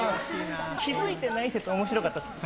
気づいてない説面白かったですね。